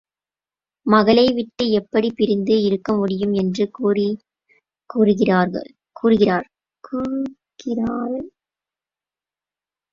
மகளை விட்டு எப்படிப் பிரிந்து இருக்க முடியும் என்று கூறுகிறாள்.